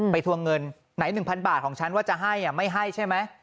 ทวงเงินไหน๑๐๐บาทของฉันว่าจะให้ไม่ให้ใช่ไหม